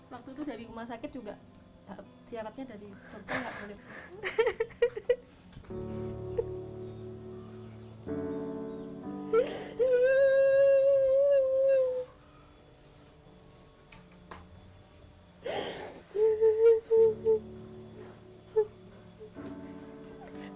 waktu itu dari rumah sakit juga siaratnya dari contoh enggak boleh pulang